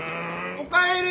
お帰り！